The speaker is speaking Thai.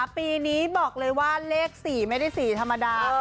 ปีนี้บอกเลยว่าเลข๔ไม่ได้๔ธรรมดา